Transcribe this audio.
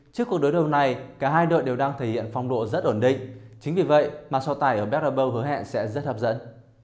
trước cuộc đối đầu này cả hai đội đều đang thể hiện phong độ rất ổn định chính vì vậy mà so tài ở berbow hứa hẹn sẽ rất hấp dẫn